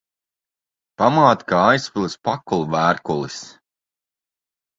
Pamāte kā aizsvilis pakulu vērkulis.